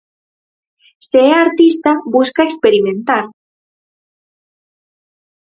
Se é artista, busca experimentar.